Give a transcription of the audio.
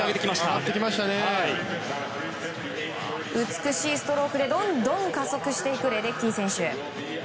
美しいストロークでどんどん加速していくレデッキー選手。